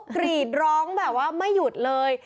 กรีดร้องแบบว่าไม่หยุดเลย